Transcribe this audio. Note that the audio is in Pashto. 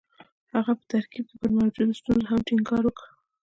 هغه په دې ترکيب کې پر موجودو ستونزو هم ټينګار وکړ.